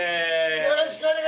よろしくお願いします。